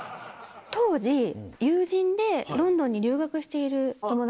当時友人でロンドンに留学している友達がいて。